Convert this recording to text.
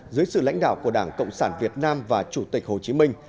dưới sự lãnh đạo của đảng cộng sản việt nam và chủ tịch hồ chí minh